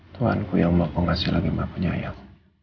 tuhan ku yang mempengasih lagi mbakku nyayang